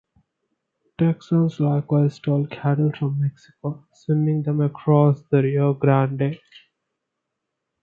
Texans likewise stole cattle from Mexico, swimming them across the Rio Grande.